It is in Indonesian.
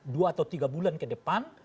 dua atau tiga bulan ke depan